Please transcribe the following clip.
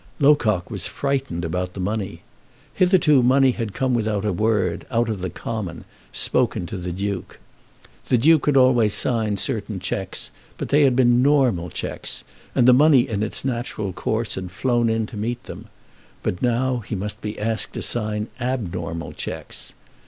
Locock was frightened about the money. Hitherto money had come without a word, out of the common, spoken to the Duke. The Duke had always signed certain cheques, but they had been normal cheques; and the money in its natural course had flown in to meet them; but now he must be asked to sign abnormal cheques.